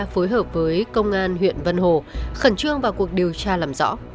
phối hợp với công an huyện vân hồ khẩn trương vào cuộc điều tra làm rõ